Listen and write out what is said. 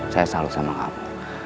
saya selalu sama kamu